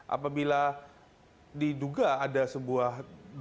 apabila diduga ada sebuah